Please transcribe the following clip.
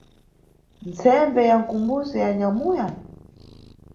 Mtsembe ya mkumbuso ya anyamuya?